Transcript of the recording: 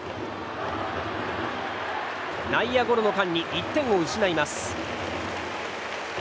内野ゴロの間に１点を失います。